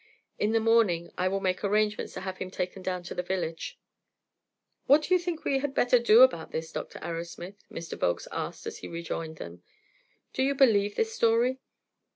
In the morning I will make arrangements to have him taken down to the village." "What do you think we had better do about this, Dr. Arrowsmith?" Mr. Volkes asked as he rejoined them. "Do you believe this story?"